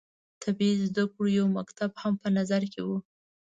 طبي زده کړو یو مکتب هم په نظر کې وو.